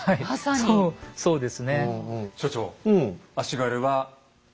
そうです。